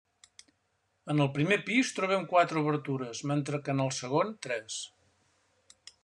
En el primer pis trobem quatre obertures, mentre que en el segon tres.